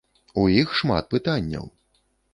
У іх шмат пытанняў.